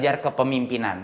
saya belajar kepemimpinan